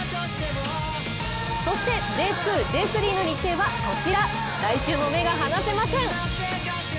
そしてＪ２・Ｊ３の日程はこちら来週も目が離せません。